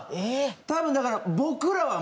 多分だから。